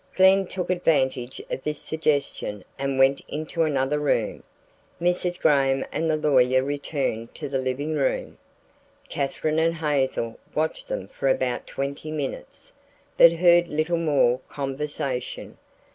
Glen took advantage of this suggestion and went into another room. Mrs. Graham and the lawyer returned to the living room. Katherine and Hazel watched them for about twenty minutes, but heard little more conversation.